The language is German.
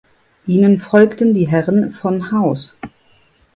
Ihnen folgten die Herren von Haus.